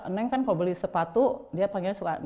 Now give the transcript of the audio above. neng kan kalau beli sepatu dia panggil neng